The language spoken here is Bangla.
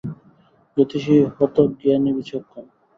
জ্যোতিষী হত জ্ঞানী-বিচক্ষণ।